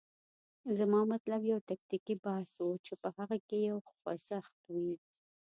زما مطلب یو تکتیکي بحث و، چې په هغه کې یو خوځښت وي.